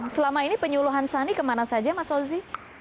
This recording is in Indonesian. selama ini penyuluhan sani kemana saja mas ozi